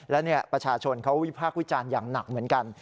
และประชาชนเขาวิพากษ์วิจารณ์อย่างหนักเหมือนกัน